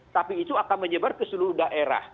tapi itu akan menyebar ke seluruh daerah